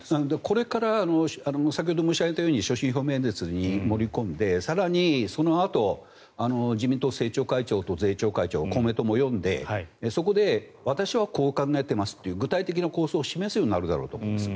これから先ほど申し上げたように所信表明演説に盛り込んで更に、そのあと自民党政調会長、税調会長公明党も呼んでそこで私はこう考えていますという具体的な構想を示すようになるだろうと思うんです。